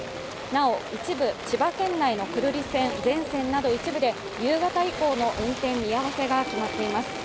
なお、一部千葉県内の久留里線全線など一部で夕方以降の運転見合わせが決まっています。